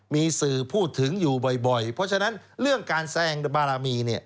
มีสื่อพูดถึงอยู่บ่อยเพราะฉะนั้นเรื่องการแซงบารมี